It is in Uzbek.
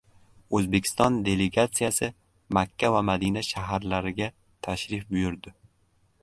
O‘zbekiston delegatsiyasi Makka va Madina shaharlariga tashrif buyurdi